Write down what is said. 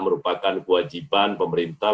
merupakan kewajiban pemerintah